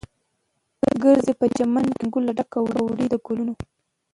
ګرځې په چمن کې، منګول ډکه وړې د ګلو